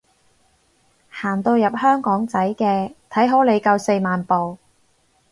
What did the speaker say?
行到入香港仔嘅，睇好你夠四萬步